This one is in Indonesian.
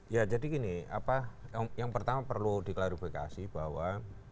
ya jadi gini yang pertama perlu diklarifikasi bahwa